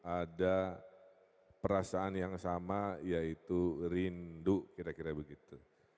ada perasaan yang sama yaitu rindu kira kira begitu